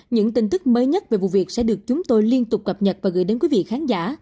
những tin tức mới nhất về vụ việc sẽ được chúng tôi liên tục cập nhật và gửi đến quý vị khán giả